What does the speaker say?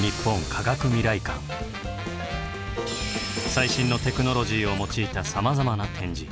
最新のテクノロジーを用いたさまざまな展示。